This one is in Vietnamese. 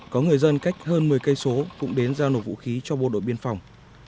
có người dân cách hơn một mươi km cũng đến giao nộp vũ khí cho bộ đội biên phòng